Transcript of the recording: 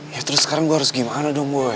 ya terus sekarang gue harus gimana dong gue